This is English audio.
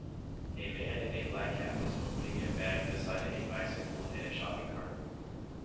A man in a black cap is opening a bag beside a bicycle and a shopping cart.